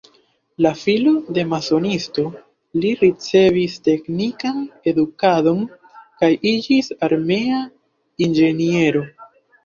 La filo de masonisto, li ricevis teknikan edukadon kaj iĝis armea inĝeniero.